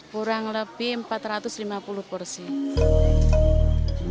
kurang lebih empat ratus lima puluh porsi